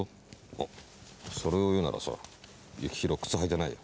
あっそれを言うならさ幸宏靴履いてないよ。